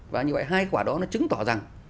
và như vậy hai quả đó nó chứng tỏ rằng